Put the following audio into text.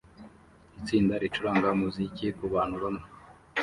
Itsinda ricuranga umuziki kubantu bamwe